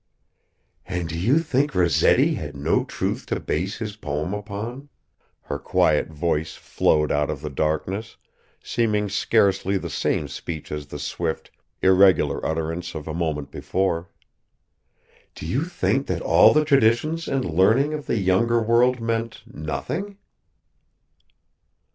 "And do you think Rossetti had no truth to base his poem upon?" her quiet voice flowed out of the darkness, seeming scarcely the same speech as the swift, irregular utterance of a moment before. "Do you think that all the traditions and learning of the younger world meant nothing?"